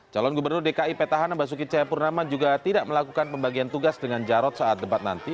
calon gubernur dki petahana basuki cahayapurnama juga tidak melakukan pembagian tugas dengan jarod saat debat nanti